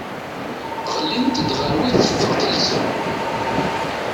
Ɣlint-d ɣer wid teffeɣ talsa.